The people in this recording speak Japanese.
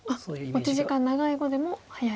持ち時間長い碁でも早い。